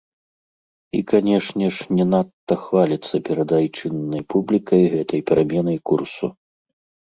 І, канешне ж, не надта хваліцца перад айчыннай публікай гэтай пераменай курсу.